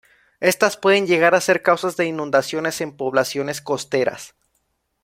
Estas pueden llegar a ser causas de inundaciones en poblaciones costeras.